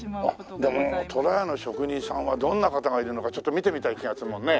とらやの職人さんはどんな方がいるのかちょっと見てみたい気がするもんね。